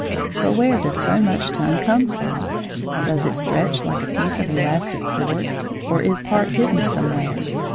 But where does so much tongue come from? Does it stretch like a piece of elastic cord? Or is a part hidden somewhere?